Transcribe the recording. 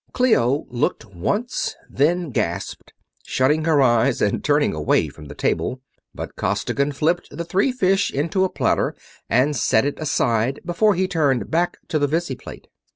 Clio looked once, then gasped, shutting her eyes and turning away from the table, but Costigan flipped the three fish into a platter and set it aside before he turned back to the visiplate.